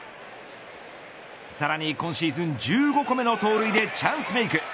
さらに今シーズン１５個目の盗塁でチャンスメーク。